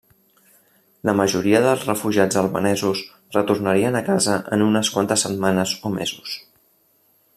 La majoria dels refugiats albanesos retornarien a casa en unes quantes setmanes o mesos.